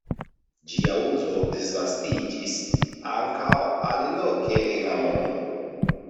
Ĝia uzo disvastiĝis ankaŭ aliloke en la mondo.